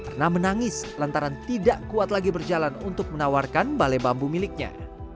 erna menangis lantaran tidak kuat lagi berjalan untuk menawarkan balai bambu miliknya